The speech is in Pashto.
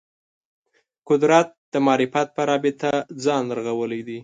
قدرت د معرفت په رابطه ځان رغولی دی